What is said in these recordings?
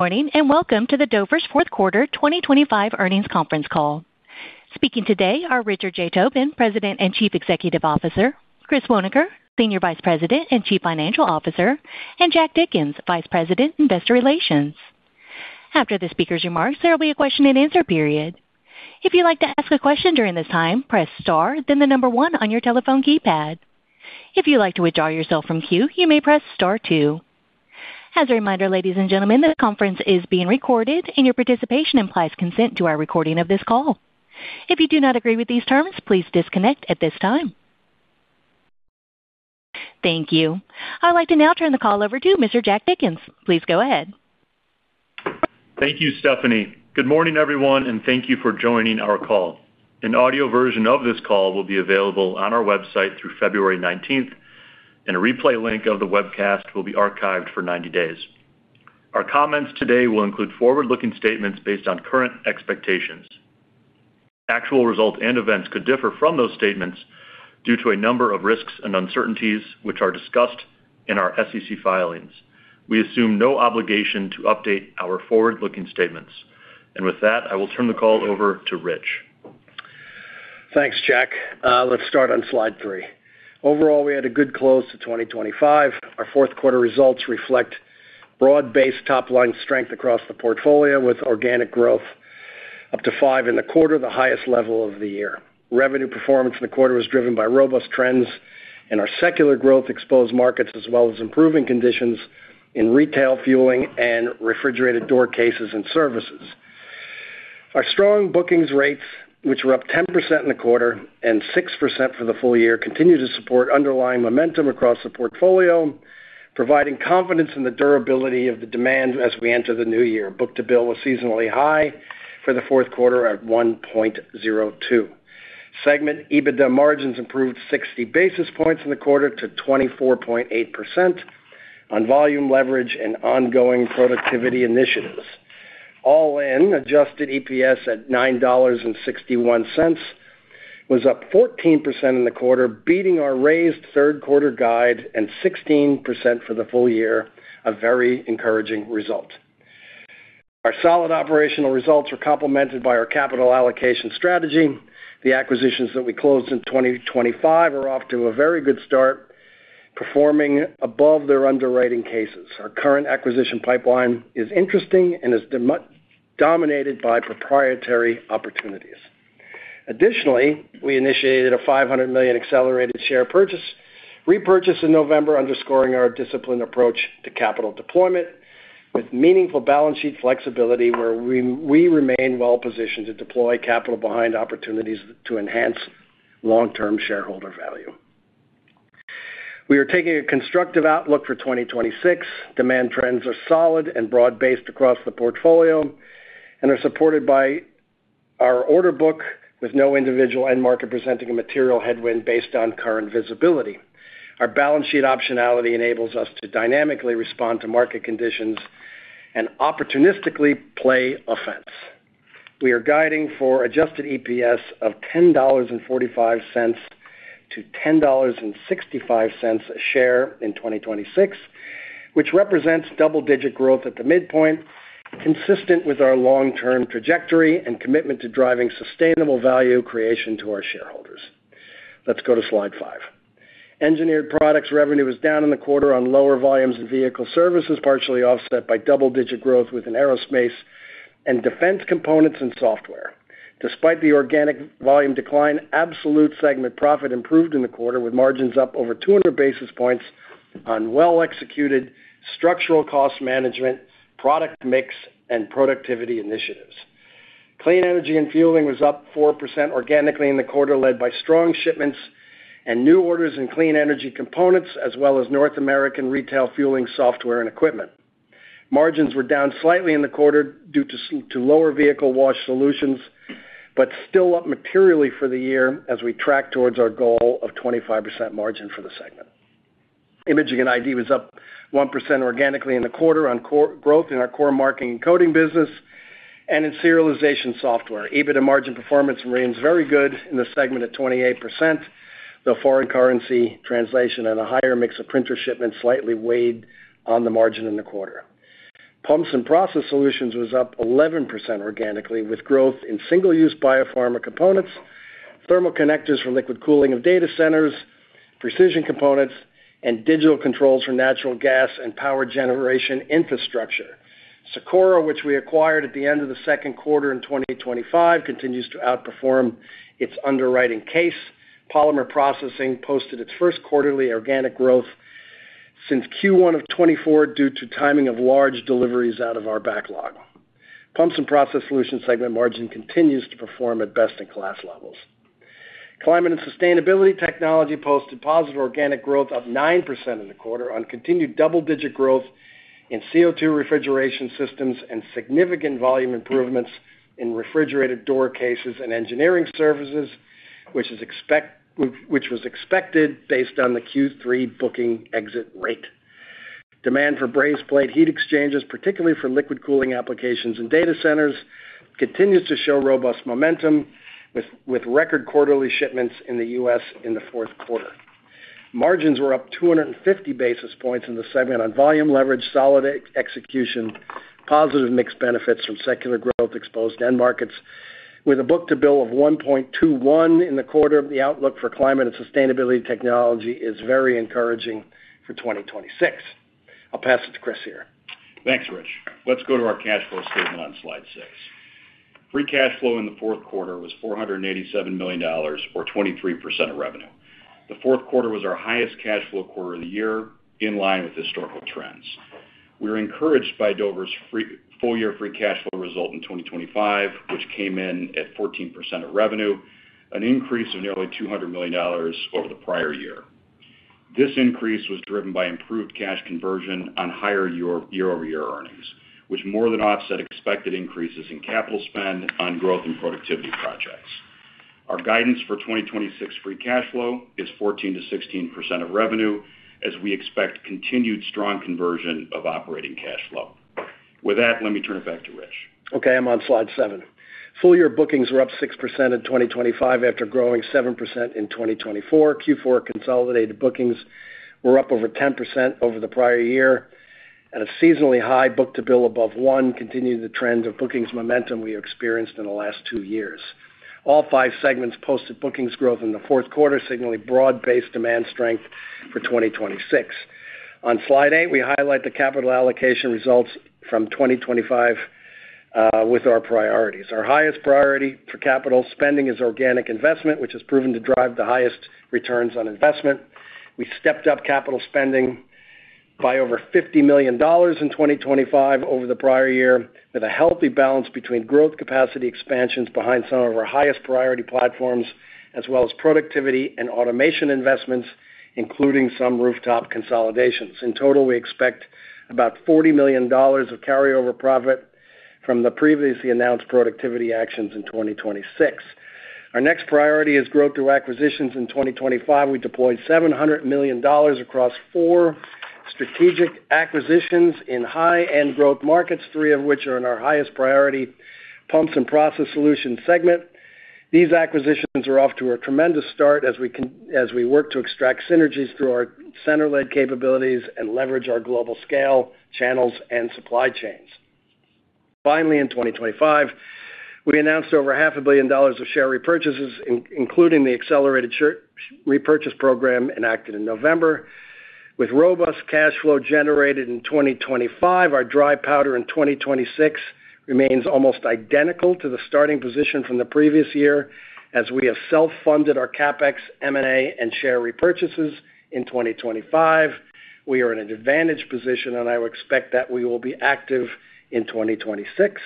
Morning and welcome to the Dover's Fourth Quarter 2025 Earnings Conference Call. Speaking today are Richard J. Tobin, President and Chief Executive Officer; Chris Woenker, Senior Vice President and Chief Financial Officer; and Jack Dickens, Vice President, Investor Relations. After the speakers' remarks, there will be a question-and-answer period. If you'd like to ask a question during this time, press star, then the number one on your telephone keypad. If you'd like to withdraw yourself from cue, you may press star two. As a reminder, ladies and gentlemen, the conference is being recorded, and your participation implies consent to our recording of this call. If you do not agree with these terms, please disconnect at this time. Thank you. I'd like to now turn the call over to Mr. Jack Dickens. Please go ahead. Thank you, Stephanie. Good morning, everyone, and thank you for joining our call. An audio version of this call will be available on our website through February 19th, and a replay link of the webcast will be archived for 90 days. Our comments today will include forward-looking statements based on current expectations. Actual results and events could differ from those statements due to a number of risks and uncertainties which are discussed in our SEC filings. We assume no obligation to update our forward-looking statements. With that, I will turn the call over to Rich. Thanks, Jack. Let's start on slide three. Overall, we had a good close to 2025. Our fourth quarter results reflect broad-based top-line strength across the portfolio, with organic growth up to five in the quarter, the highest level of the year. Revenue performance in the quarter was driven by robust trends, and our secular growth exposed markets as well as improving conditions in retail fueling and refrigerated door cases and services. Our strong bookings rates, which were up 10% in the quarter and 6% for the full year, continue to support underlying momentum across the portfolio, providing confidence in the durability of the demand as we enter the new year. Book-to-bill was seasonally high for the fourth quarter at 1.02. Segment EBITDA margins improved 60 basis points in the quarter to 24.8% on volume leverage and ongoing productivity initiatives. All-in adjusted EPS at $9.61 was up 14% in the quarter, beating our raised third-quarter guide and 16% for the full year, a very encouraging result. Our solid operational results are complemented by our capital allocation strategy. The acquisitions that we closed in 2025 are off to a very good start, performing above their underwriting cases. Our current acquisition pipeline is interesting and is dominated by proprietary opportunities. Additionally, we initiated a $500 million accelerated share repurchase in November, underscoring our disciplined approach to capital deployment with meaningful balance sheet flexibility, where we remain well-positioned to deploy capital behind opportunities to enhance long-term shareholder value. We are taking a constructive outlook for 2026. Demand trends are solid and broad-based across the portfolio and are supported by our order book, with no individual end market presenting a material headwind based on current visibility. Our balance sheet optionality enables us to dynamically respond to market conditions and opportunistically play offense. We are guiding for adjusted EPS of $10.45-$10.65 a share in 2026, which represents double-digit growth at the midpoint, consistent with our long-term trajectory and commitment to driving sustainable value creation to our shareholders. Let's go to slide five. Engineered Products revenue was down in the quarter on lower volumes and vehicle services, partially offset by double-digit growth within aerospace and defense components and software. Despite the organic volume decline, absolute segment profit improved in the quarter, with margins up over 200 basis points on well-executed structural cost management, product mix, and productivity initiatives. Clean Energy & Fueling was up 4% organically in the quarter, led by strong shipments and new orders in clean energy components, as well as North American retail fueling software and equipment. Margins were down slightly in the quarter due to lower vehicle wash solutions, but still up materially for the year as we track towards our goal of 25% margin for the segment. Imaging and ID was up 1% organically in the quarter on growth in our core marking and coding business and in serialization software. EBITDA margin performance remains very good in the segment at 28%, though foreign currency translation and a higher mix of printer shipments slightly weighed on the margin in the quarter. Pumps & Process Solutions was up 11% organically, with growth in single-use biopharma components, thermal connectors for liquid cooling of data centers, precision components, and digital controls for natural gas and power generation infrastructure. SIKORA, which we acquired at the end of the second quarter in 2025, continues to outperform its underwriting case. Polymer processing posted its first quarterly organic growth since Q1 of 2024 due to timing of large deliveries out of our backlog. Pumps and Process Solutions segment margin continues to perform at best-in-class levels. Climate and Sustainability Technologies posted positive organic growth of 9% in the quarter on continued double-digit growth in CO2 refrigeration systems and significant volume improvements in refrigerated display cases and engineering services, which was expected based on the Q3 booking exit rate. Demand for brazed plate heat exchangers, particularly for liquid cooling applications and data centers, continues to show robust momentum, with record quarterly shipments in the U.S. in the fourth quarter. Margins were up 250 basis points in the segment on volume leverage, solid execution, positive mix benefits from secular growth exposed end markets. With a book-to-bill of 1.21 in the quarter, the outlook for Climate and Sustainability Technologies is very encouraging for 2026. I'll pass it to Chris here. Thanks, Rich. Let's go to our cash flow statement on slide six. Free cash flow in the fourth quarter was $487 million, or 23% of revenue. The fourth quarter was our highest cash flow quarter of the year, in line with historical trends. We were encouraged by Dover's full-year free cash flow result in 2025, which came in at 14% of revenue, an increase of nearly $200 million over the prior year. This increase was driven by improved cash conversion on higher year-over-year earnings, which more than offset expected increases in capital spend on growth and productivity projects. Our guidance for 2026 free cash flow is 14%-16% of revenue, as we expect continued strong conversion of operating cash flow. With that, let me turn it back to Rich. Okay, I'm on slide seven. Full-year bookings were up 6% in 2025 after growing 7% in 2024. Q4 consolidated bookings were up over 10% over the prior year, and a seasonally high book-to-bill above one continued the trend of bookings momentum we experienced in the last two years. All five segments posted bookings growth in the fourth quarter, signaling broad-based demand strength for 2026. On slide eight, we highlight the capital allocation results from 2025 with our priorities. Our highest priority for capital spending is organic investment, which has proven to drive the highest returns on investment. We stepped up capital spending by over $50 million in 2025 over the prior year, with a healthy balance between growth capacity expansions behind some of our highest priority platforms, as well as productivity and automation investments, including some rooftop consolidations. In total, we expect about $40 million of carryover profit from the previously announced productivity actions in 2026. Our next priority is growth through acquisitions in 2025. We deployed $700 million across four strategic acquisitions in high-end growth markets, three of which are in our highest priority Pumps and Process Solutions segment. These acquisitions are off to a tremendous start as we work to extract synergies through our center-led capabilities and leverage our global scale channels and supply chains. Finally, in 2025, we announced over $500 million of share repurchases, including the accelerated share repurchase program enacted in November. With robust cash flow generated in 2025, our dry powder in 2026 remains almost identical to the starting position from the previous year, as we have self-funded our CapEx, M&A, and share repurchases in 2025. We are in an advantageous position, and I would expect that we will be active in 2026.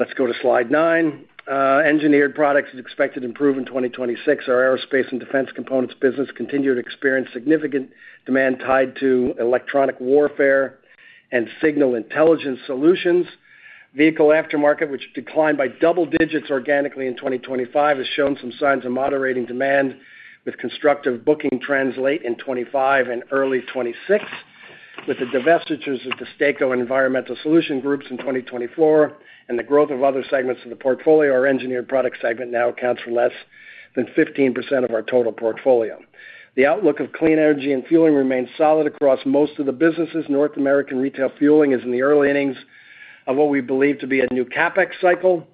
Let's go to slide 9. Engineered Products expected to improve in 2026. Our aerospace and defense components business continued to experience significant demand tied to electronic warfare and signal intelligence solutions. Vehicle aftermarket, which declined by double digits organically in 2025, has shown some signs of moderating demand, with constructive bookings translating in 2025 and early 2026. With the divestitures of the Destaco and Environmental Solutions Group in 2024 and the growth of other segments of the portfolio, our Engineered Products segment now accounts for less than 15% of our total portfolio. The outlook of Clean Energy & Fueling remains solid across most of the businesses. North American retail fueling is in the early innings of what we believe to be a new CapEx cycle,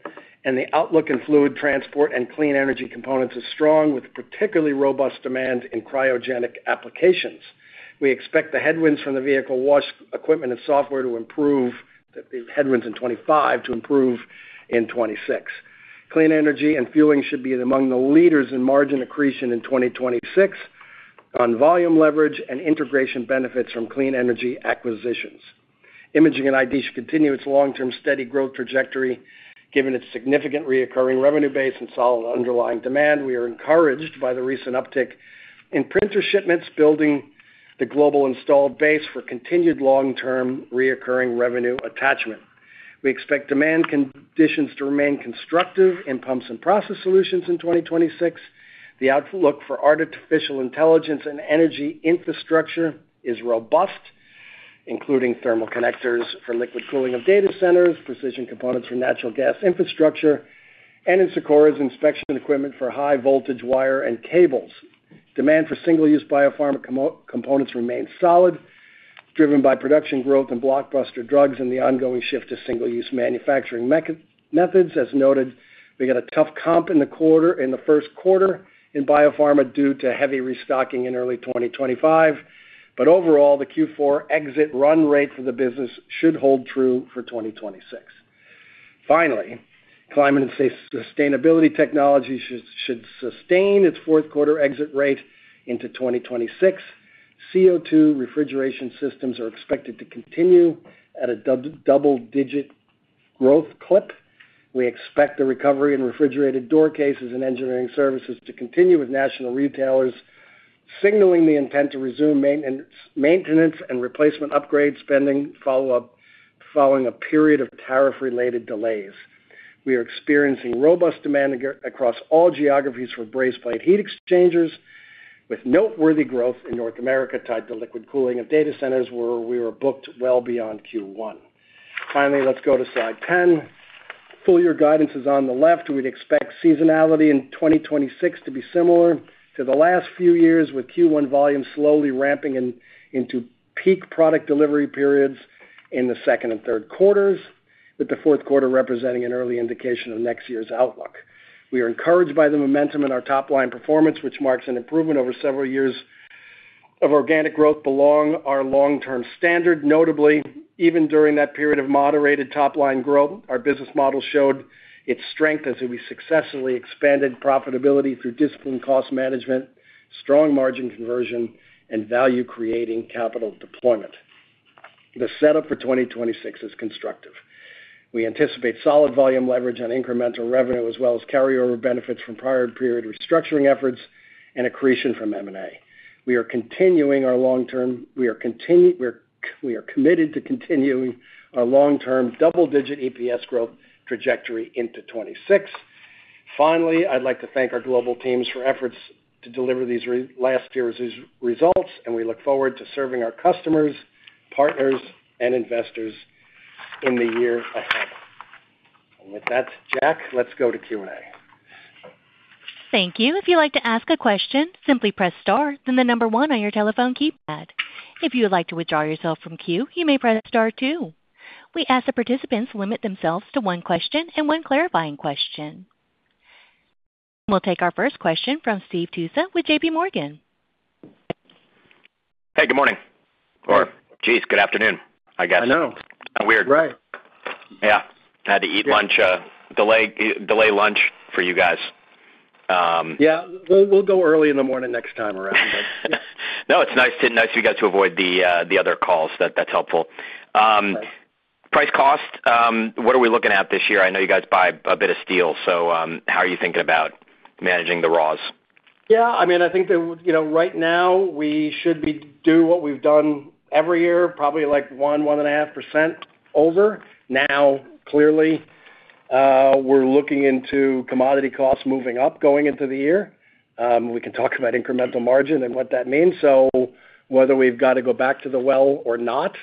and the outlook in fluid transport and clean energy components is strong, with particularly robust demand in cryogenic applications. We expect the headwinds from the vehicle wash equipment and software to improve the headwinds in 2025 to improve in 2026. Clean Energy and Fueling should be among the leaders in margin accretion in 2026 on volume leverage and integration benefits from clean energy acquisitions. Imaging and ID should continue its long-term steady growth trajectory given its significant recurring revenue base and solid underlying demand. We are encouraged by the recent uptick in printer shipments, building the global installed base for continued long-term recurring revenue attachment. We expect demand conditions to remain constructive in Pumps and Process Solutions in 2026. The outlook for artificial intelligence and energy infrastructure is robust, including thermal connectors for liquid cooling of data centers, precision components for natural gas infrastructure, and in Sikora's inspection equipment for high-voltage wire and cables. Demand for single-use biopharma components remains solid, driven by production growth and blockbuster drugs and the ongoing shift to single-use manufacturing methods. As noted, we got a tough comp in the first quarter in biopharma due to heavy restocking in early 2025, but overall, the Q4 exit run rate for the business should hold true for 2026. Finally, Climate and Sustainability Technologies should sustain its fourth quarter exit rate into 2026. CO2 refrigeration systems are expected to continue at a double-digit growth clip. We expect the recovery in refrigerated display cases and engineering services to continue, with national retailers signaling the intent to resume maintenance and replacement upgrade spending following a period of tariff-related delays. We are experiencing robust demand across all geographies for brazed plate heat exchangers, with noteworthy growth in North America tied to liquid cooling of data centers, where we were booked well beyond Q1. Finally, let's go to slide 10. Full-year guidance is on the left. We'd expect seasonality in 2026 to be similar to the last few years, with Q1 volume slowly ramping into peak product delivery periods in the second and third quarters, with the fourth quarter representing an early indication of next year's outlook. We are encouraged by the momentum in our top-line performance, which marks an improvement over several years of organic growth belonging to our long-term standard. Notably, even during that period of moderated top-line growth, our business model showed its strength as we successfully expanded profitability through disciplined cost management, strong margin conversion, and value-creating capital deployment. The setup for 2026 is constructive. We anticipate solid volume leverage on incremental revenue, as well as carryover benefits from prior period restructuring efforts and accretion from M&A. We are committed to continuing our long-term double-digit EPS growth trajectory into 2026. Finally, I'd like to thank our global teams for efforts to deliver these last year's results, and we look forward to serving our customers, partners, and investors in the year ahead. With that, Jack, let's go to Q&A. Thank you. If you'd like to ask a question, simply press star, then the number one on your telephone keypad. If you would like to withdraw yourself from queue, you may press star two. We ask that participants limit themselves to one question and one clarifying question. We'll take our first question from Steve Tusa with JPMorgan. Hey, good morning. Or geez, good afternoon. I got— I know. Kind of weird. Right. Yeah. Had to eat lunch, delay lunch for you guys. Yeah. We'll go early in the morning next time around, but. No, it's nice you got to avoid the other calls. That's helpful. Price cost, what are we looking at this year? I know you guys buy a bit of steel, so how are you thinking about managing the raws? Yeah. I mean, I think right now we should do what we've done every year, probably like 1-1.5% over. Now, clearly, we're looking into commodity costs moving up going into the year. We can talk about incremental margin and what that means. So whether we've got to go back to the well or not,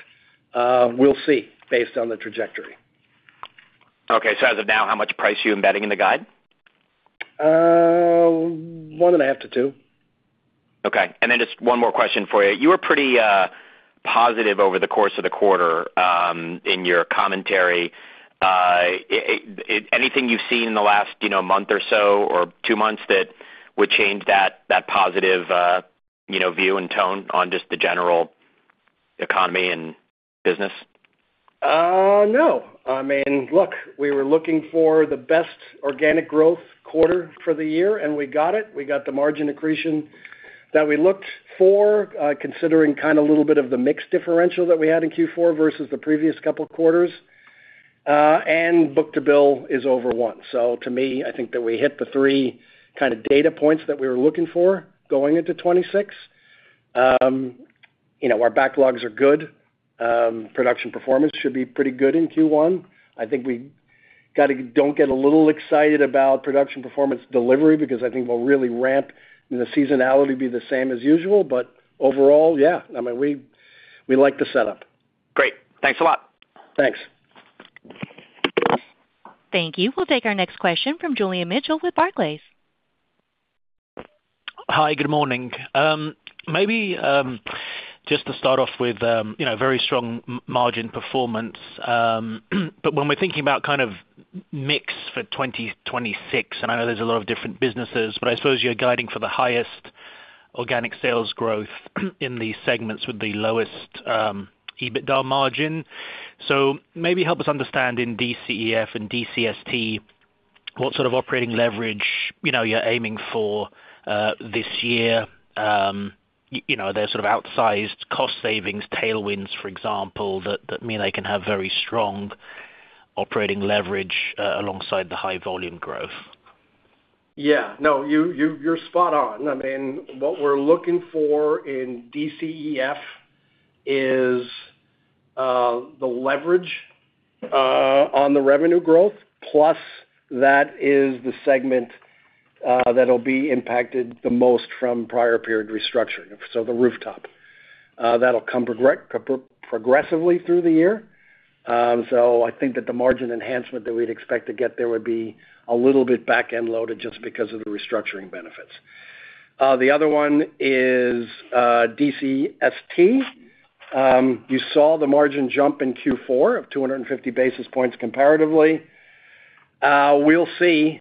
we'll see based on the trajectory. Okay. So as of now, how much price are you embedding in the guide? 1.5-2%. Okay. And then just one more question for you. You were pretty positive over the course of the quarter in your commentary. Anything you've seen in the last month or so or two months that would change that positive view and tone on just the general economy and business? No. I mean, look, we were looking for the best organic growth quarter for the year, and we got it. We got the margin accretion that we looked for, considering kind of a little bit of the mix differential that we had in Q4 versus the previous couple of quarters. And book-to-bill is over one. So to me, I think that we hit the three kind of data points that we were looking for going into 2026. Our backlogs are good. Production performance should be pretty good in Q1. I think we got to don't get a little excited about production performance delivery because I think we'll really ramp. The seasonality will be the same as usual. But overall, yeah, I mean, we like the setup. Great. Thanks a lot. Thanks. Thank you. We'll take our next question from Julian Mitchell with Barclays. Hi, good morning. Maybe just to start off with very strong margin performance. But when we're thinking about kind of mix for 2026, and I know there's a lot of different businesses, but I suppose you're guiding for the highest organic sales growth in these segments with the lowest EBITDA margin. So maybe help us understand in DCEF and DCST what sort of operating leverage you're aiming for this year. There's sort of outsized cost savings, tailwinds, for example, that mean they can have very strong operating leverage alongside the high volume growth. Yeah. No, you're spot on. I mean, what we're looking for in DCEF is the leverage on the revenue growth, plus that is the segment that will be impacted the most from prior period restructuring, so the rooftop. That'll come progressively through the year. So I think that the margin enhancement that we'd expect to get there would be a little bit back-end loaded just because of the restructuring benefits. The other one is DCST. You saw the margin jump in Q4 of 250 basis points comparatively. We'll see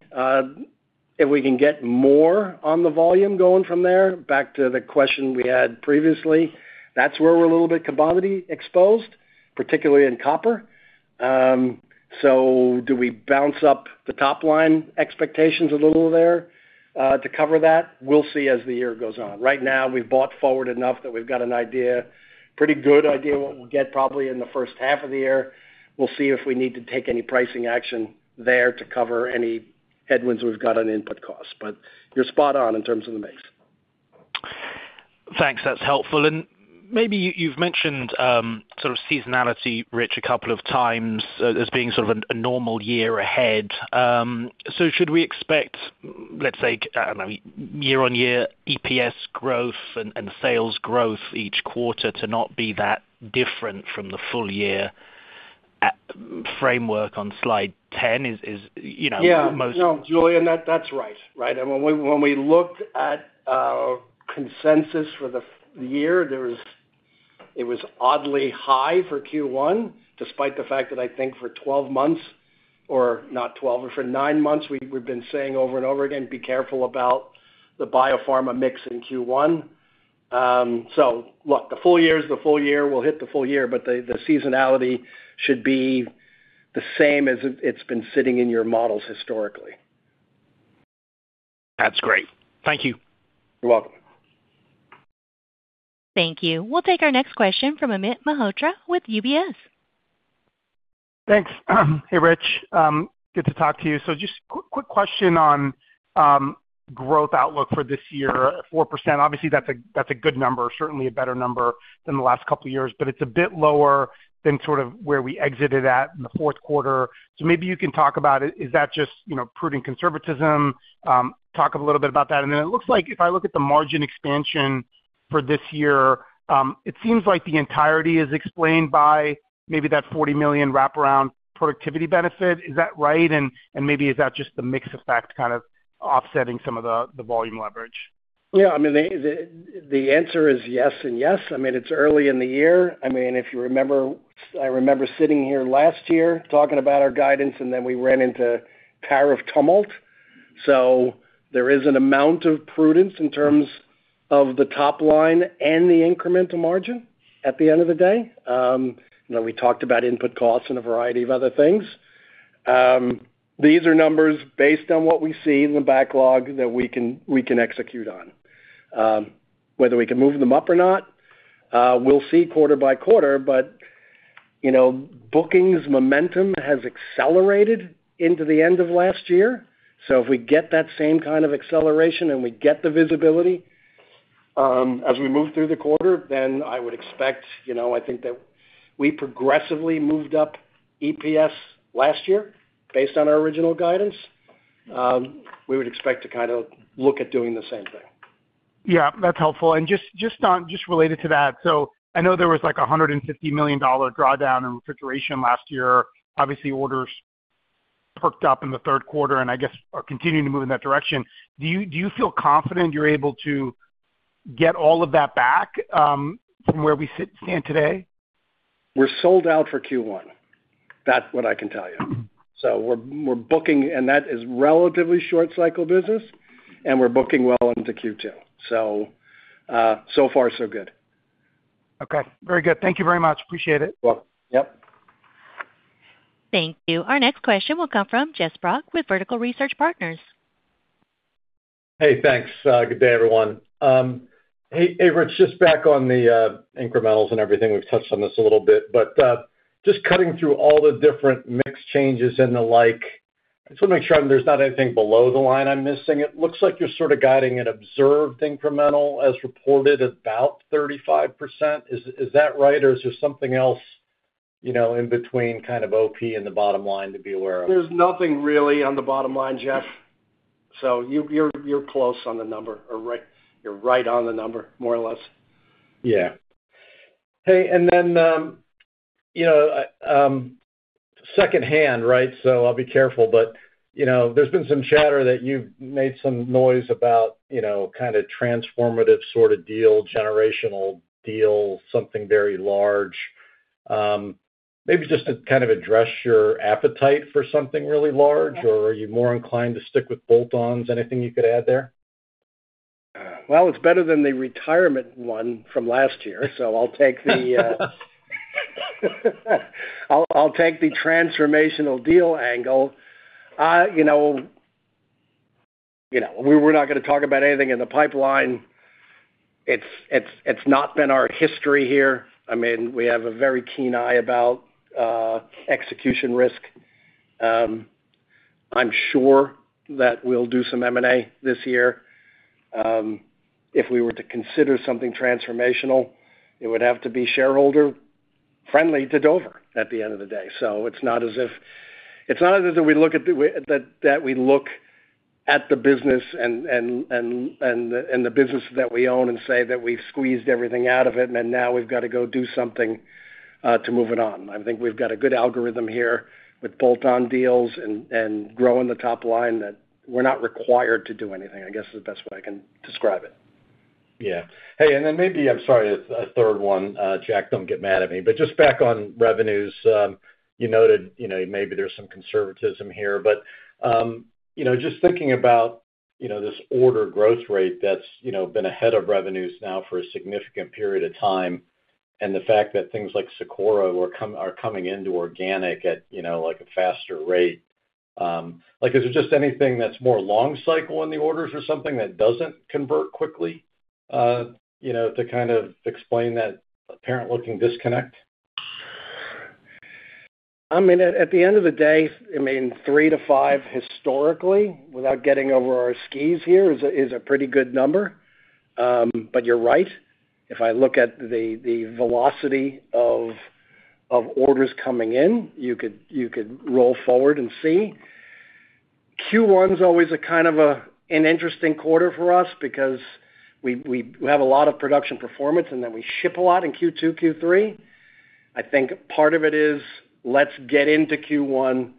if we can get more on the volume going from there. Back to the question we had previously, that's where we're a little bit commodity exposed, particularly in copper. So do we bounce up the top-line expectations a little there to cover that? We'll see as the year goes on. Right now, we've bought forward enough that we've got an idea, pretty good idea what we'll get probably in the first half of the year. We'll see if we need to take any pricing action there to cover any headwinds we've got on input costs. But you're spot on in terms of the mix. Thanks. That's helpful. And maybe you've mentioned sort of seasonality rich a couple of times as being sort of a normal year ahead. So should we expect, let's say, year-on-year EPS growth and sales growth each quarter to not be that different from the full year framework on slide 10 is most? Yeah. No, Julian, and that's right. Right? And when we looked at consensus for the year, it was oddly high for Q1, despite the fact that I think for 12 months, or not 12, or for nine months, we've been saying over and over again, be careful about the biopharma mix in Q1. So look, the full year is the full year. We'll hit the full year, but the seasonality should be the same as it's been sitting in your models historically. That's great. Thank you. You're welcome. Thank you. We'll take our next question from Amit Mehrotra with UBS. Thanks. Hey, Rich. Good to talk to you. So just quick question on growth outlook for this year, 4%. Obviously, that's a good number, certainly a better number than the last couple of years, but it's a bit lower than sort of where we exited at in the fourth quarter. So maybe you can talk about it. Is that just prudent conservatism? Talk a little bit about that. And then it looks like if I look at the margin expansion for this year, it seems like the entirety is explained by maybe that $40 million wraparound productivity benefit. Is that right? And maybe is that just the mix effect kind of offsetting some of the volume leverage? Yeah. I mean, the answer is yes and yes. I mean, it's early in the year. I mean, if you remember, I remember sitting here last year talking about our guidance, and then we ran into tariff tumult. So there is an amount of prudence in terms of the top line and the incremental margin at the end of the day. We talked about input costs and a variety of other things. These are numbers based on what we see in the backlog that we can execute on, whether we can move them up or not. We'll see quarter by quarter, but bookings momentum has accelerated into the end of last year. So if we get that same kind of acceleration and we get the visibility as we move through the quarter, then I would expect, I think, that we progressively moved up EPS last year based on our original guidance. We would expect to kind of look at doing the same thing. Yeah. That's helpful. And just related to that, so I know there was like a $150 million drawdown in refrigeration last year. Obviously, orders perked up in the third quarter and I guess are continuing to move in that direction. Do you feel confident you're able to get all of that back from where we stand today? We're sold out for Q1. That's what I can tell you. So we're booking, and that is relatively short-cycle business, and we're booking well into Q2. So far, so good. Okay. Very good. Thank you very much. Appreciate it. You're welcome. Yep. Thank you. Our next question will come from Jeffrey Sprague with Vertical Research Partners. Hey, thanks. Good day, everyone. Hey, Rich, just back on the incrementals and everything. We've touched on this a little bit, but just cutting through all the different mix changes and the like, I just want to make sure there's not anything below the line I'm missing. It looks like you're sort of guiding an observed incremental as reported about 35%. Is that right, or is there something else in between kind of OP and the bottom line to be aware of? There's nothing really on the bottom line, Jeff. So you're close on the number, or you're right on the number, more or less. Yeah. Hey, and then second hand, right? So I'll be careful, but there's been some chatter that you've made some noise about kind of transformative sort of deal, generational deal, something very large. Maybe just to kind of address your appetite for something really large, or are you more inclined to stick with bolt-ons? Anything you could add there? Well, it's better than the retirement one from last year, so I'll take the transformational deal angle. We're not going to talk about anything in the pipeline. It's not been our history here. I mean, we have a very keen eye about execution risk. I'm sure that we'll do some M&A this year. If we were to consider something transformational, it would have to be shareholder-friendly to Dover at the end of the day. So it's not as if we look at the business and the business that we own and say that we've squeezed everything out of it, and then now we've got to go do something to move it on. I think we've got a good algorithm here with bolt-on deals and growing the top line that we're not required to do anything, I guess, is the best way I can describe it. Yeah. Hey, and then maybe I'm sorry, a third one, Jack, don't get mad at me, but just back on revenues, you noted maybe there's some conservatism here, but just thinking about this order growth rate that's been ahead of revenues now for a significant period of time and the fact that things like SIKORA are coming into organic at a faster rate. Is there just anything that's more long-cycle in the orders or something that doesn't convert quickly to kind of explain that apparent-looking disconnect? I mean, at the end of the day, I mean, 3-5 historically without getting over our skis here is a pretty good number. But you're right. If I look at the velocity of orders coming in, you could roll forward and see. Q1 is always kind of an interesting quarter for us because we have a lot of production performance, and then we ship a lot in Q2, Q3. I think part of it is let's get into Q1.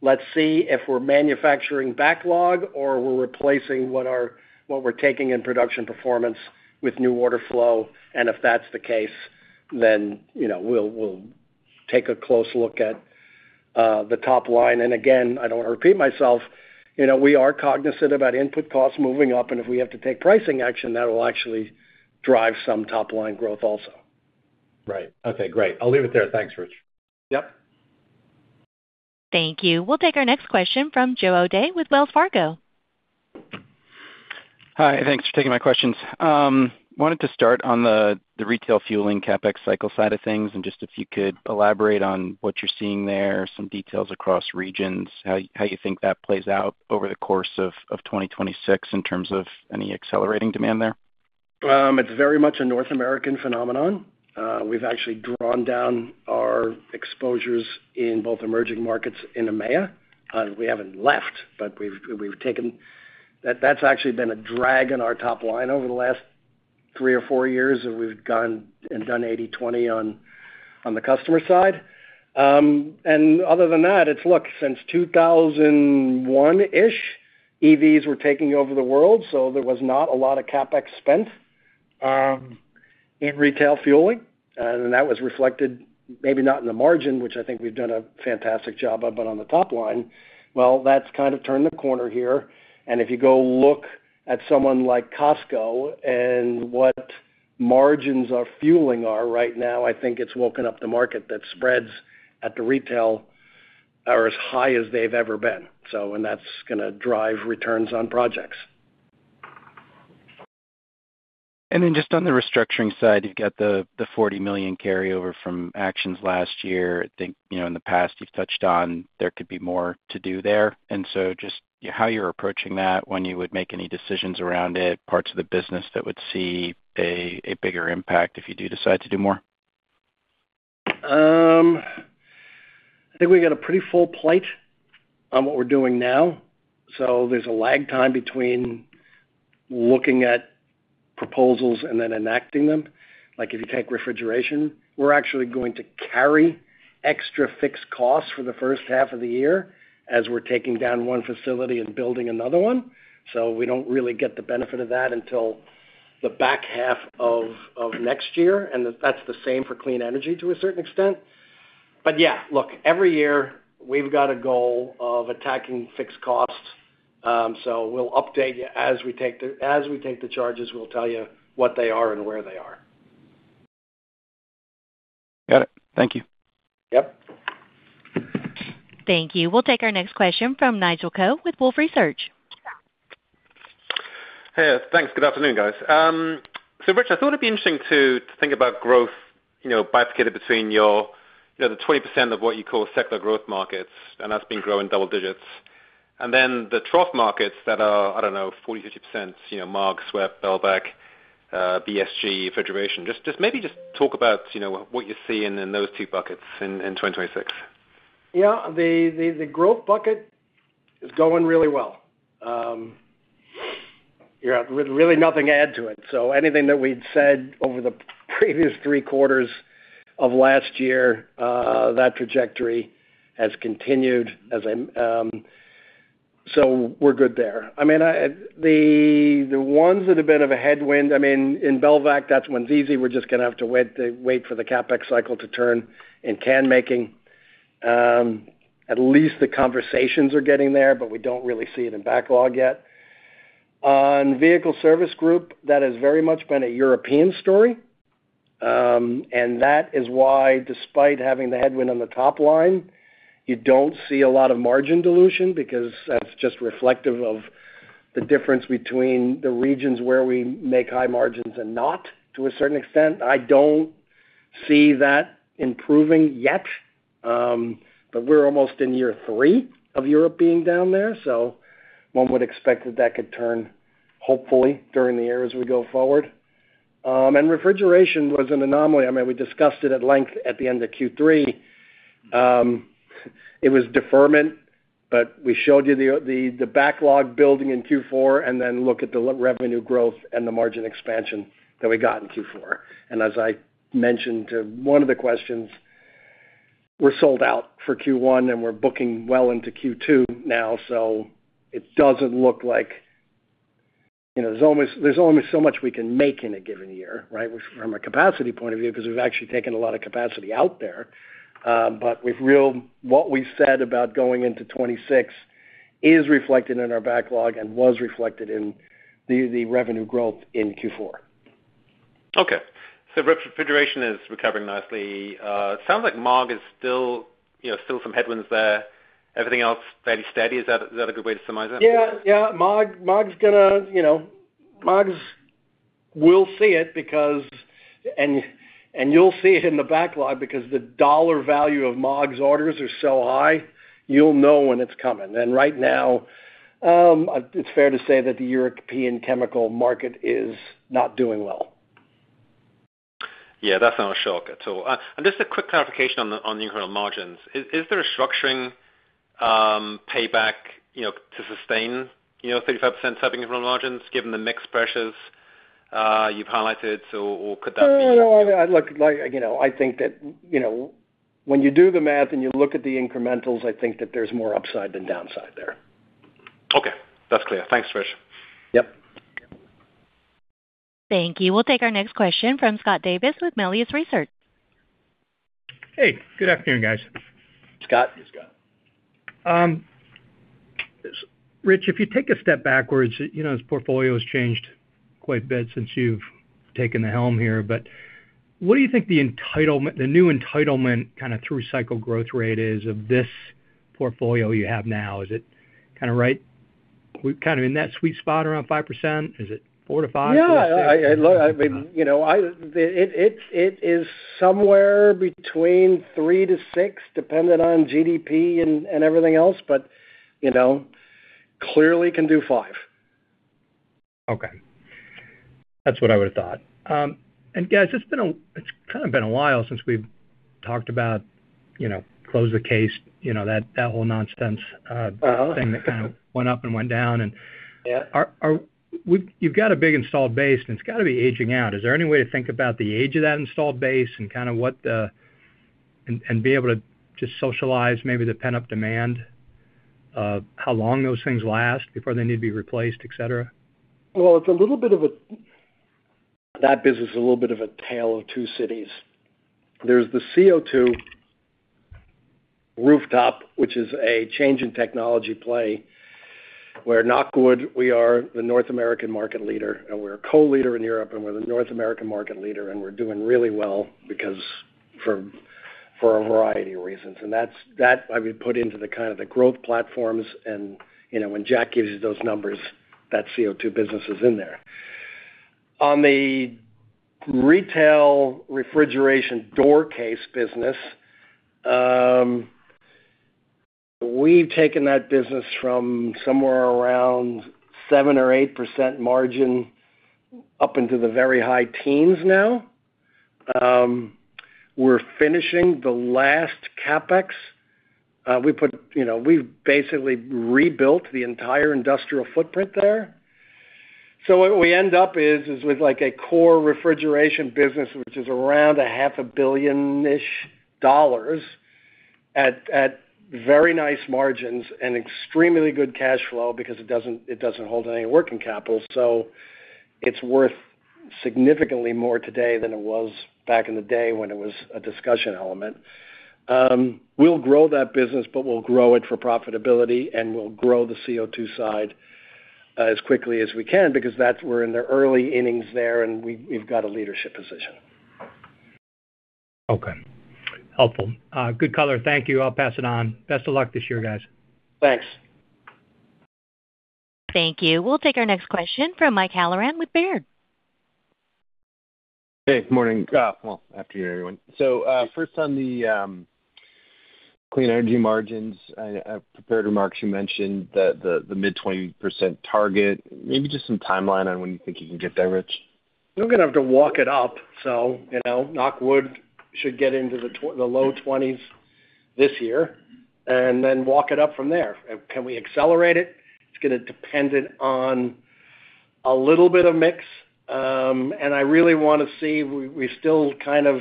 Let's see if we're manufacturing backlog or we're replacing what we're taking in production performance with new order flow. And if that's the case, then we'll take a close look at the top line. And again, I don't want to repeat myself. We are cognizant about input costs moving up, and if we have to take pricing action, that will actually drive some top-line growth also. Right. Okay. Great. I'll leave it there. Thanks, Rich. Yep. Thank you. We'll take our next question from Joe O'Dea with Wells Fargo. Hi. Thanks for taking my questions. Wanted to start on the retail fueling CapEx cycle side of things, and just if you could elaborate on what you're seeing there, some details across regions, how you think that plays out over the course of 2026 in terms of any accelerating demand there. It's very much a North American phenomenon. We've actually drawn down our exposures in both emerging markets in EMEA. We haven't left, but we've taken, that's actually been a drag on our top line over the last three or four years that we've gone and done 80/20 on the customer side. And other than that, it's, look, since 2001-ish, EVs were taking over the world, so there was not a lot of CapEx spent in retail fueling. And that was reflected maybe not in the margin, which I think we've done a fantastic job of, but on the top line, well, that's kind of turned the corner here. And if you go look at someone like Costco and what margins of fueling are right now, I think it's woken up the market that spreads at the retail are as high as they've ever been. That's going to drive returns on projects. Just on the restructuring side, you've got the $40 million carryover from actions last year. I think in the past you've touched on there could be more to do there. So just how you're approaching that when you would make any decisions around it, parts of the business that would see a bigger impact if you do decide to do more? I think we've got a pretty full plate on what we're doing now. So there's a lag time between looking at proposals and then enacting them. If you take refrigeration, we're actually going to carry extra fixed costs for the first half of the year as we're taking down one facility and building another one. So we don't really get the benefit of that until the back half of next year. And that's the same for clean energy to a certain extent. But yeah, look, every year we've got a goal of attacking fixed costs. So we'll update you as we take the charges. We'll tell you what they are and where they are. Got it. Thank you. Yep. Thank you. We'll take our next question from Nigel Coe with Wolfe Research. Hey, thanks. Good afternoon, guys. So Rich, I thought it'd be interesting to think about growth bifurcated between the 20% of what you call sector growth markets, and that's been growing double digits. And then the trough markets that are, I don't know, 40%-50%, Maag, SWEP, Belvac, VSG, Refrigeration. Just maybe just talk about what you're seeing in those two buckets in 2026. Yeah. The growth bucket is going really well. There's really nothing to add to it. So anything that we'd said over the previous three quarters of last year, that trajectory has continued. So we're good there. I mean, the ones that have been a headwind, I mean, in Belvac, that's when we were just going to have to wait for the CapEx cycle to turn in can making. At least the conversations are getting there, but we don't really see it in backlog yet. On Vehicle Service Group, that has very much been a European story. And that is why, despite having the headwind on the top line, you don't see a lot of margin dilution because that's just reflective of the difference between the regions where we make high margins and not, to a certain extent. I don't see that improving yet, but we're almost in year three of Europe being down there. So one would expect that that could turn, hopefully, during the year as we go forward. And refrigeration was an anomaly. I mean, we discussed it at length at the end of Q3. It was deferment, but we showed you the backlog building in Q4 and then look at the revenue growth and the margin expansion that we got in Q4. And as I mentioned, one of the questions, we're sold out for Q1 and we're booking well into Q2 now. So it doesn't look like there's only so much we can make in a given year, right, from a capacity point of view because we've actually taken a lot of capacity out there. But what we said about going into 2026 is reflected in our backlog and was reflected in the revenue growth in Q4. Okay. So refrigeration is recovering nicely. Sounds like Maag is still some headwinds there. Everything else fairly steady. Is that a good way to summarize that? Yeah. Yeah. Maag's going to Maag's will see it because and you'll see it in the backlog because the dollar value of Maag's orders are so high, you'll know when it's coming. And right now, it's fair to say that the European chemical market is not doing well. Yeah. That's not a shortcut. So just a quick clarification on the incremental margins. Is there a structuring payback to sustain 35% type incremental margins given the mixed pressures you've highlighted, or could that be? No. I think that when you do the math and you look at the incrementals, I think that there's more upside than downside there. Okay. That's clear. Thanks, Rich. Yep. Thank you. We'll take our next question from Scott Davis with Melius Research. Hey. Good afternoon, guys. Scott. Hey, Scott. Rich, if you take a step backwards, this portfolio has changed quite a bit since you've taken the helm here. But what do you think the new entitlement kind of through cycle growth rate is of this portfolio you have now? Is it kind of right? We're kind of in that sweet spot around 5%? Is it 4%-5%? Yeah. I mean, it is somewhere between 3-6%, depending on GDP and everything else, but clearly can do 5%. Okay. That's what I would have thought. And guys, it's kind of been a while since we've talked about closed case, that whole nonsense thing that kind of went up and went down. And you've got a big installed base, and it's got to be aging out. Is there any way to think about the age of that installed base and kind of what the and be able to just socialize maybe the pent-up demand, how long those things last before they need to be replaced, etc.? Well, it's a little bit of a tale of two cities. There's the CO2 rooftop, which is a change in technology play where knock wood, we are the North American market leader, and we're a co-leader in Europe, and we're the North American market leader, and we're doing really well because for a variety of reasons. That, I mean, put into the kind of the growth platforms. When Jack gives you those numbers, that CO2 business is in there. On the retail refrigerated door case business, we've taken that business from somewhere around 7% or 8% margin up into the very high teens now. We're finishing the last CapEx. We've basically rebuilt the entire industrial footprint there. What we end up is with a core refrigeration business, which is around $500 million-ish at very nice margins and extremely good cash flow because it doesn't hold any working capital. It's worth significantly more today than it was back in the day when it was a discussion element. We'll grow that business, but we'll grow it for profitability, and we'll grow the CO2 side as quickly as we can because we're in the early innings there, and we've got a leadership position. Okay. Helpful. Good color. Thank you. I'll pass it on. Best of luck this year, guys. Thanks. Thank you. We'll take our next question from Mike Halloran with Baird. Hey. Good morning. Well, afternoon, everyone. So first on the clean energy margins, I prepared remarks. You mentioned the mid-20% target. Maybe just some timeline on when you think you can get there, Rich? We're going to have to walk it up. So knock wood, should get into the low 20s this year and then walk it up from there. Can we accelerate it? It's going to depend on a little bit of mix. And I really want to see, we're still kind of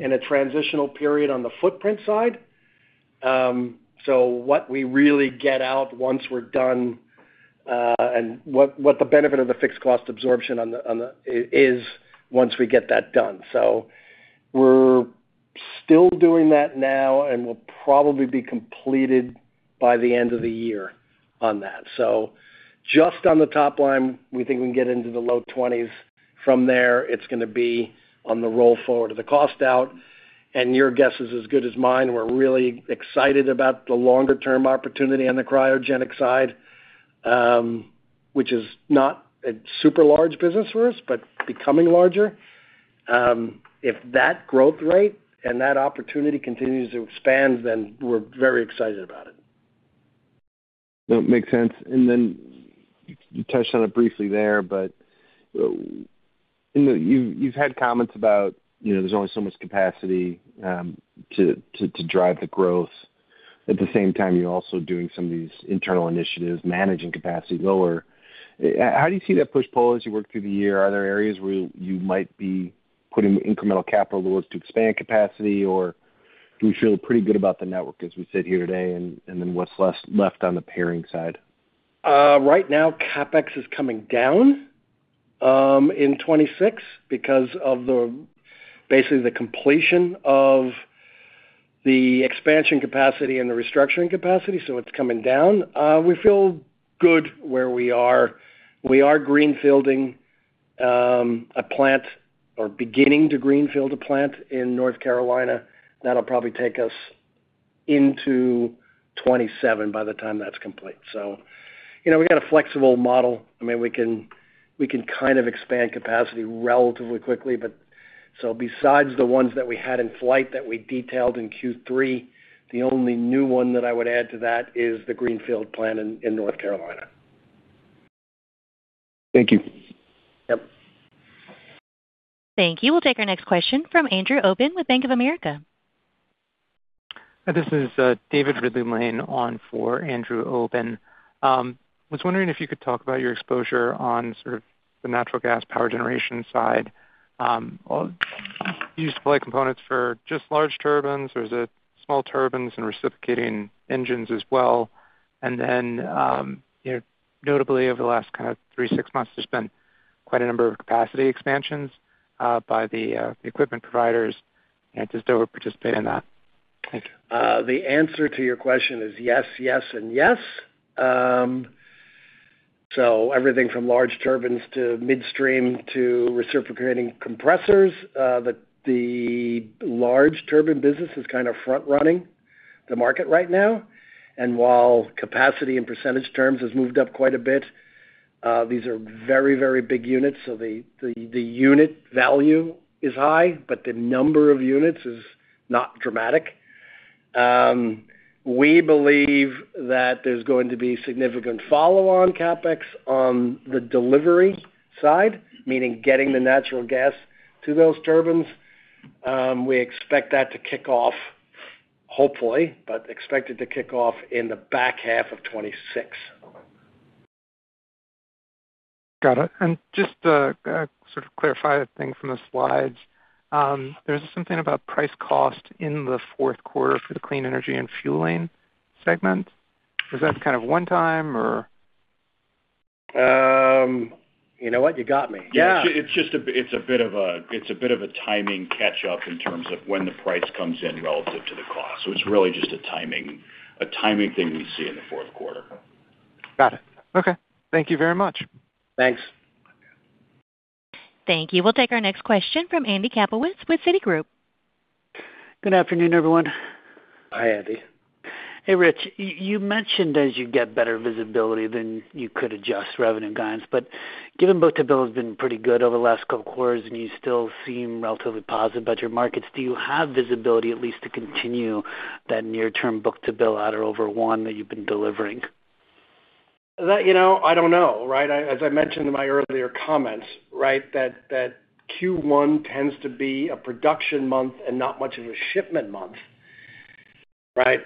in a transitional period on the footprint side. So what we really get out once we're done and what the benefit of the fixed cost absorption is once we get that done. So we're still doing that now, and we'll probably be completed by the end of the year on that. So just on the top line, we think we can get into the low 20s. From there, it's going to be on the roll forward of the cost out. And your guess is as good as mine. We're really excited about the longer-term opportunity on the cryogenic side, which is not a super large business for us, but becoming larger. If that growth rate and that opportunity continues to expand, then we're very excited about it. That makes sense. Then you touched on it briefly there, but you've had comments about there's only so much capacity to drive the growth. At the same time, you're also doing some of these internal initiatives, managing capacity lower. How do you see that push-pull as you work through the year? Are there areas where you might be putting incremental capital to expand capacity, or do we feel pretty good about the network as we sit here today? And then what's left on the pairing side? Right now, CapEx is coming down in 2026 because of basically the completion of the expansion capacity and the restructuring capacity. So it's coming down. We feel good where we are. We are greenfielding a plant or beginning to greenfield a plant in North Carolina. That'll probably take us into 2027 by the time that's complete. So we've got a flexible model. I mean, we can kind of expand capacity relatively quickly. So besides the ones that we had in flight that we detailed in Q3, the only new one that I would add to that is the greenfield plant in North Carolina. Thank you. Yep. Thank you. We'll take our next question from Andrew Obin with Bank of America. This is David Ridley-Lane on for Andrew Obin. I was wondering if you could talk about your exposure on sort of the natural gas power generation side. Do you supply components for just large turbines, or is it small turbines and reciprocating engines as well? And then notably, over the last kind of three, six months, there's been quite a number of capacity expansions by the equipment providers. Just over participate in that. Thank you. The answer to your question is yes, yes, and yes. So everything from large turbines to midstream to reciprocating compressors, the large turbine business is kind of front-running the market right now. And while capacity in percentage terms has moved up quite a bit, these are very, very big units. So the unit value is high, but the number of units is not dramatic. We believe that there's going to be significant follow-on CapEx on the delivery side, meaning getting the natural gas to those turbines. We expect that to kick off, hopefully, but expect it to kick off in the back half of 2026. Got it. And just to sort of clarify a thing from the slides, there's something about price cost in the fourth quarter for the Clean Energy and Fueling segment. Was that kind of one time, or? You know what? You got me. Yeah. It's a bit of a timing catch-up in terms of when the price comes in relative to the cost. So it's really just a timing thing we see in the fourth quarter. Got it. Okay. Thank you very much. Thanks. Thank you. We'll take our next question from Andrew Kaplowitz with Citigroup. Good afternoon, everyone. Hi, Andy. Hey, Rich. You mentioned as you get better visibility, then you could adjust revenue guidance. But given book-to-bill has been pretty good over the last couple of quarters, and you still seem relatively positive about your markets, do you have visibility at least to continue that near-term book-to-bill over one that you've been delivering? I don't know, right? As I mentioned in my earlier comments, right, that Q1 tends to be a production month and not much of a shipment month, right?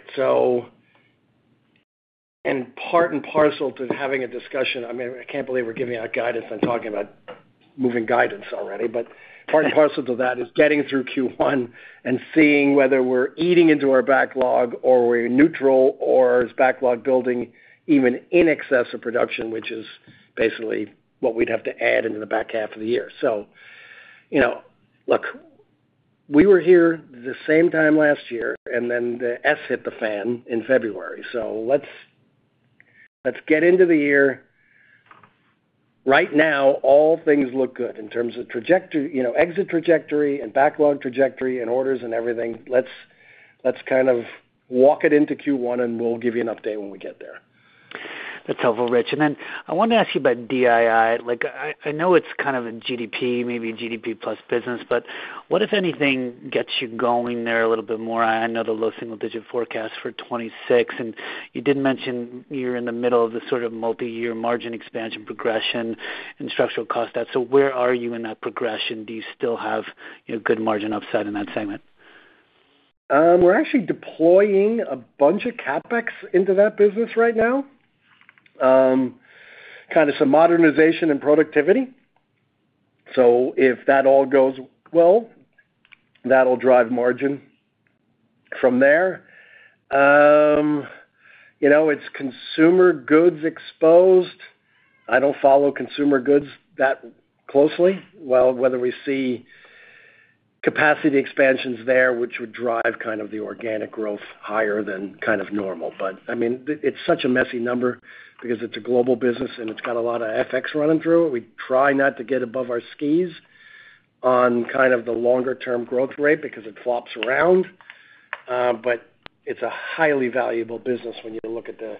And part and parcel to having a discussion, I mean, I can't believe we're giving out guidance. I'm talking about moving guidance already. But part and parcel to that is getting through Q1 and seeing whether we're eating into our backlog or we're neutral or is backlog building even in excess of production, which is basically what we'd have to add into the back half of the year. So look, we were here the same time last year, and then the shit hit the fan in February. So let's get into the year. Right now, all things look good in terms of exit trajectory and backlog trajectory and orders and everything. Let's kind of walk it into Q1, and we'll give you an update when we get there. That's helpful, Rich. And then I wanted to ask you about DII. I know it's kind of a GDP, maybe GDP plus business, but what, if anything, gets you going there a little bit more? I know the low single-digit forecast for 2026, and you did mention you're in the middle of the sort of multi-year margin expansion progression and structural cost. So where are you in that progression? Do you still have good margin upside in that segment? We're actually deploying a bunch of CapEx into that business right now, kind of some modernization and productivity. So if that all goes well, that'll drive margin from there. It's consumer goods exposed. I don't follow consumer goods that closely. Well, whether we see capacity expansions there, which would drive kind of the organic growth higher than kind of normal. But I mean, it's such a messy number because it's a global business, and it's got a lot of FX running through it. We try not to get above our skis on kind of the longer-term growth rate because it flops around. But it's a highly valuable business when you look at the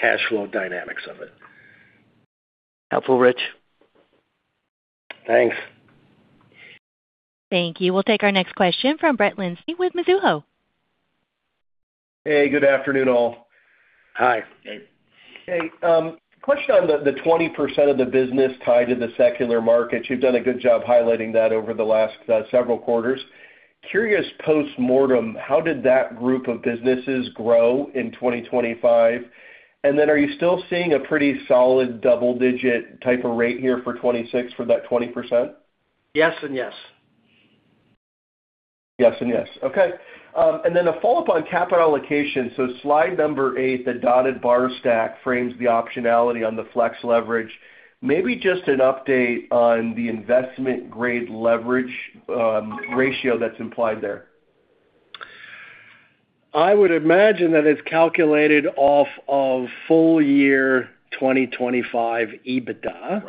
cash flow dynamics of it. Helpful, Rich. Thanks. Thank you. We'll take our next question from Brett Linzey with Mizuho. Hey. Good afternoon, all. Hi. Hey. Hey. Question on the 20% of the business tied to the secular markets. You've done a good job highlighting that over the last several quarters. Curious post-mortem, how did that group of businesses grow in 2025? And then are you still seeing a pretty solid double-digit type of rate here for 2026 for that 20%? Yes and yes. Yes and yes. Okay. And then a follow-up on capital allocation. So slide number eight, the dotted bar stack frames the optionality on the flex leverage. Maybe just an update on the investment-grade leverage ratio that's implied there. I would imagine that it's calculated off of full year 2025 EBITDA.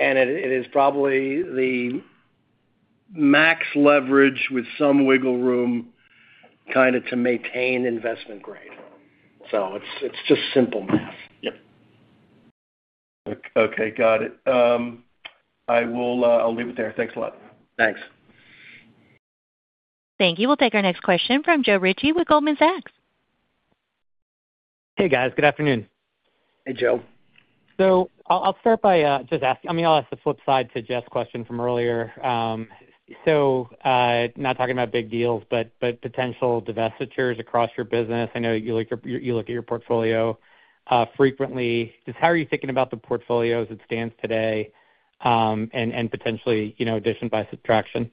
It is probably the max leverage with some wiggle room kind of to maintain investment grade. It's just simple math. Yep. Okay. Got it. I'll leave it there. Thanks a lot. Thanks. Thank you. We'll take our next question from Joe Ritchie with Goldman Sachs. Hey, guys. Good afternoon. Hey, Joe. So I'll start by just asking, I mean, I'll ask the flip side to Jeff's question from earlier. So not talking about big deals, but potential divestitures across your business. I know you look at your portfolio frequently. Just how are you thinking about the portfolio as it stands today and potentially addition by subtraction?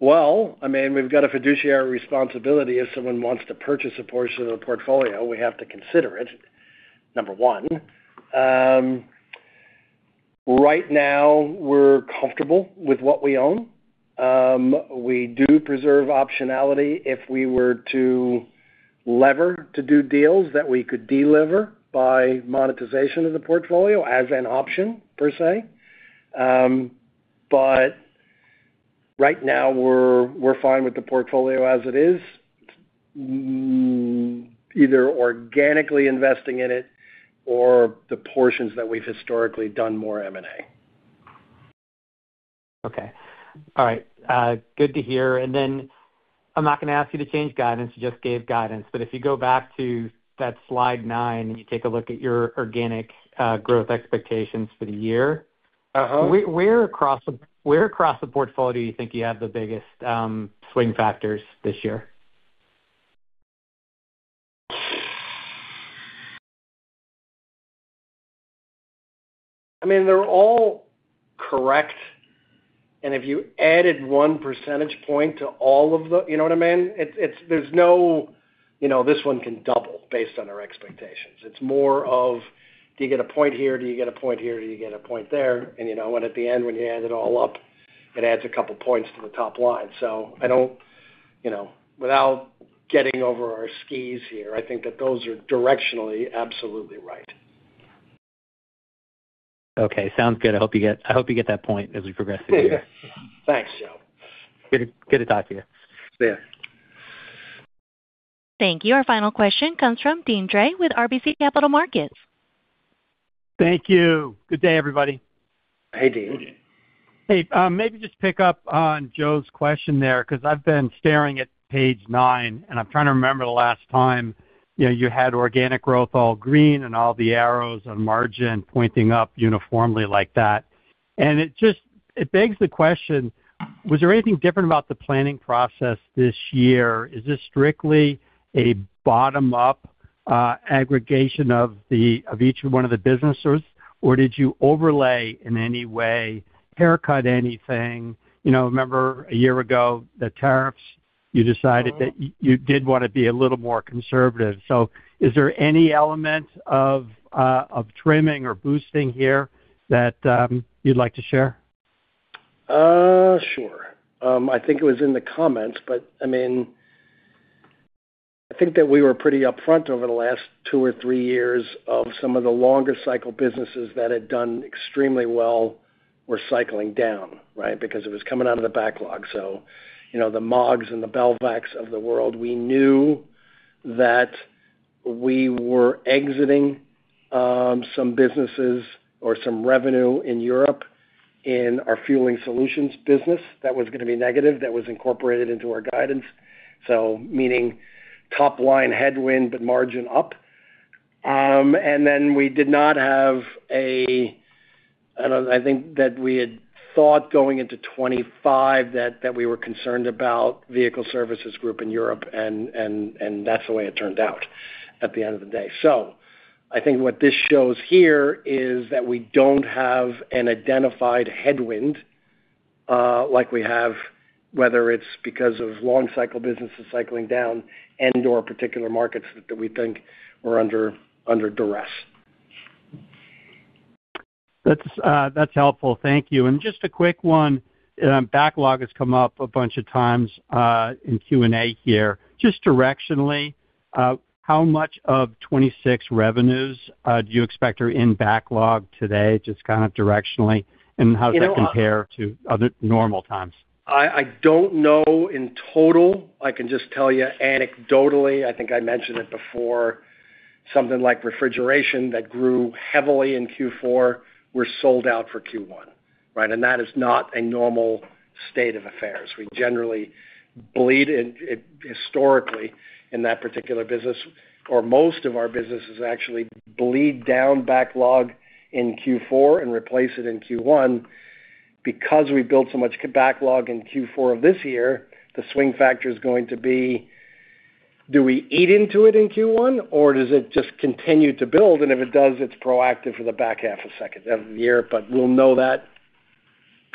Well, I mean, we've got a fiduciary responsibility. If someone wants to purchase a portion of the portfolio, we have to consider it, number one. Right now, we're comfortable with what we own. We do preserve optionality if we were to lever to do deals that we could deliver by monetization of the portfolio as an option per se. But right now, we're fine with the portfolio as it is, either organically investing in it or the portions that we've historically done more M&A. Okay. All right. Good to hear. And then I'm not going to ask you to change guidance. You just gave guidance. But if you go back to that slide 9 and you take a look at your organic growth expectations for the year, where across the portfolio do you think you have the biggest swing factors this year? I mean, they're all correct. And if you added 1 percentage point to all of the you know what I mean? There's no this one can double based on our expectations. It's more of, do you get a point here? Do you get a point here? Do you get a point there? And at the end, when you add it all up, it adds a couple of points to the top line. So without getting over our skis here, I think that those are directionally absolutely right. Okay. Sounds good. I hope you get that point as we progress through the year. Thanks, Joe. Good to talk to you. See you. Thank you. Our final question comes from Deane Dray with RBC Capital Markets. Thank you. Good day, everybody. Hey, Dean. Hey. Hey. Maybe just pick up on Joe's question there because I've been staring at page nine, and I'm trying to remember the last time you had organic growth all green and all the arrows on margin pointing up uniformly like that. It begs the question, was there anything different about the planning process this year? Is this strictly a bottom-up aggregation of each one of the businesses, or did you overlay in any way, haircut anything? Remember a year ago, the tariffs, you decided that you did want to be a little more conservative. Is there any element of trimming or boosting here that you'd like to share? Sure. I think it was in the comments, but I mean, I think that we were pretty upfront over the last 2 or 3 years of some of the longer cycle businesses that had done extremely well were cycling down, right, because it was coming out of the backlog. So the Maags and the Belvacs of the world, we knew that we were exiting some businesses or some revenue in Europe in our fueling solutions business. That was going to be negative. That was incorporated into our guidance, so meaning top-line headwind but margin up. And then we did not have a I think that we had thought going into 2025 that we were concerned about Vehicle Service Group in Europe, and that's the way it turned out at the end of the day. I think what this shows here is that we don't have an identified headwind like we have, whether it's because of long-cycle businesses cycling down and/or particular markets that we think were under duress. That's helpful. Thank you. Just a quick one. Backlog has come up a bunch of times in Q&A here. Just directionally, how much of 2026 revenues do you expect are in backlog today, just kind of directionally? How does that compare to other normal times? I don't know in total. I can just tell you anecdotally, I think I mentioned it before, something like refrigeration that grew heavily in Q4 were sold out for Q1, right? And that is not a normal state of affairs. We generally bleed historically in that particular business, or most of our businesses actually bleed down backlog in Q4 and replace it in Q1. Because we built so much backlog in Q4 of this year, the swing factor is going to be, do we eat into it in Q1, or does it just continue to build? And if it does, it's proactive for the back half or second half of the year, but we'll know that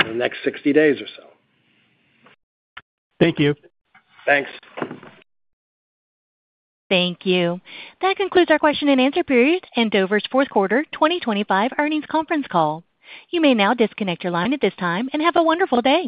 in the next 60 days or so. Thank you. Thanks. Thank you. That concludes our question and answer period and Dover's fourth quarter 2025 earnings conference call. You may now disconnect your line at this time and have a wonderful day.